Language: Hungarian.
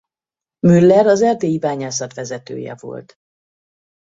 Müller az erdélyi bányászat vezetője volt.